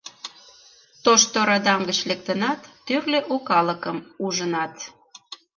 Тошто радам гыч лектынат, тӱрлӧ у калыкым ужынат...